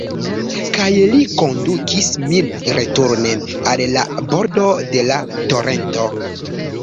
Kaj li kondukis min returne al la bordo de la torento.